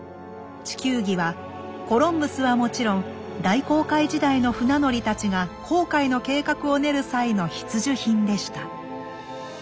地球儀はコロンブスはもちろん大航海時代の船乗りたちが航海の計画を練る際の必需品でした。